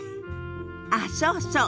あっそうそう。